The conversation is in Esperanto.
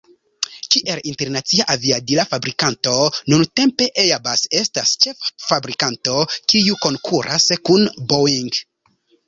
Kiel internacia aviadila fabrikanto, nuntempe Airbus estas ĉefa fabrikanto, kiu konkuras kun Boeing.